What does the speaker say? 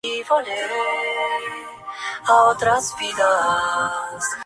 Más adelante Puebla estuvo bajo la jurisdicción de la casa de Lemos.